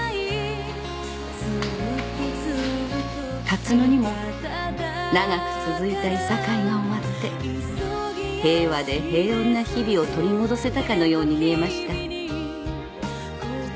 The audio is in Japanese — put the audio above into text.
［龍野にも長く続いたいさかいが終わって平和で平穏な日々を取り戻せたかのように見えました］